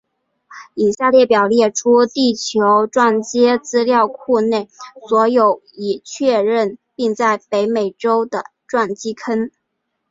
以下列表列出地球撞击资料库内所有已确认并在北美洲的撞击坑。